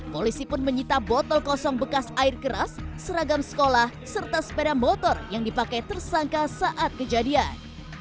polisi pun menyita botol kosong bekas air keras seragam sekolah serta sepeda motor yang dipakai tersangka saat kejadian